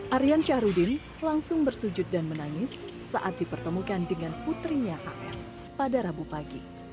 arian shahruddin langsung bersujud dan menangis saat dipertemukan dengan putrinya aes pada rabu pagi